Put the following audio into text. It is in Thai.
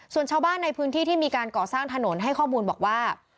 ส่วนชาวบ้านในพื้นที่ที่มีการก่อสร้างถนนให้ข้อมูลบอกว่า